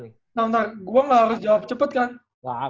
nanti gue gak harus jawab cepet kan